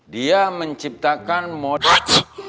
dia menciptakan model